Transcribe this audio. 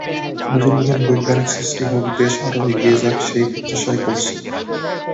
নতুন নতুন বৈজ্ঞানিক সৃষ্টি হোক, দেশ আরও এগিয়ে যাক, সেই প্রত্যাশাই করছি।